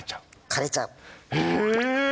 狩れちゃう。